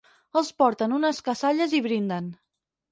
Els porten unes cassalles i brinden.